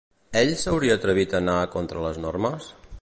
Ell s'hauria atrevit a anar contra les normes?